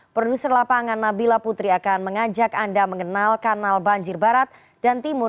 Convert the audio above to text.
produser lapangan nabila putri akan mengajak anda mengenal kanal banjir barat dan timur